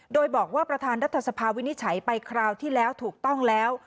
โดยบอกว่าประธานรัฐสภาวินิจฉัยไปคราวที่แล้วถูกต้องแล้ว